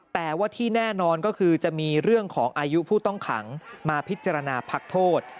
แต่ว่าที่แน่นอนก็คือจะมีเรื่องของอายุผู้ต้องขังมาพิจารณาพักโทษ